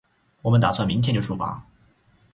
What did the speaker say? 我们打算明天就出发